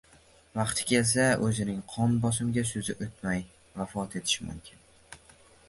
vaqti kelsa, o‘zining qon bosimiga so‘zi o‘tmay vafot etishi mumkin.